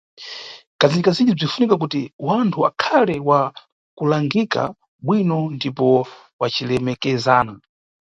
Kazinjikazinji, bzinʼfunika kuti wanthu akhale wa kulangika bwino ndipo wacilemekezana.